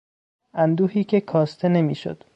اندوهی که کاسته نمیشد